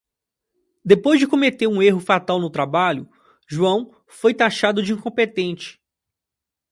Depois de cometer um erro fatal no trabalho, João foi tachado de incompetente.